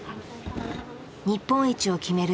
日本一を決める